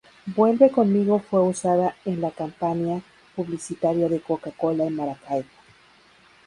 Vuelve Conmigo fue usada en la campaña publicitaria de Coca Cola en Maracaibo